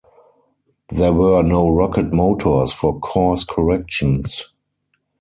There were no rocket motors for course corrections.